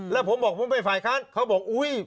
แล้วผมบอกผมเป็นฝ่ายค้านเขาบอกอุ๊ย